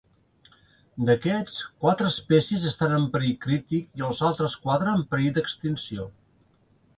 D'aquests, quatre espècies estan en perill crític i els altres quatre en perill d'extinció.